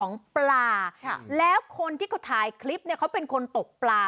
ปลาค่ะแล้วคนที่เขาถ่ายคลิปเนี่ยเขาเป็นคนตกปลา